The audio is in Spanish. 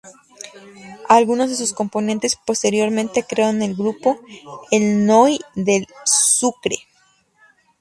Algunos de sus componentes posteriormente crearon el grupo El Noi del Sucre.